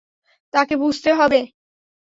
তাকে বুঝতে হবে।